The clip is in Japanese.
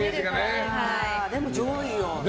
でも上位よ。